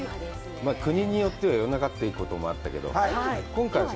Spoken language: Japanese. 国によっては夜中ということもあったけど、今回は。